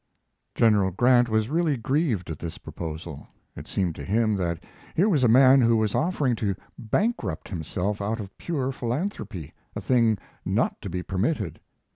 General Grant was really grieved at this proposal. It seemed to him that here was a man who was offering to bankrupt himself out of pure philanthropy a thing not to be permitted.